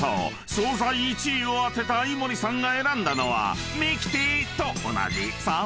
［惣菜１位を当てた井森さんが選んだのはミキティと同じサーモンフィレ］